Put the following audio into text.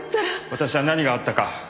私は何があったか